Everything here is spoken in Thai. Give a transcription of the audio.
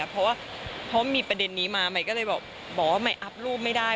เพราะว่าพอมีประเด็นนี้มาใหม่ก็เลยบอกว่าใหม่อัพรูปไม่ได้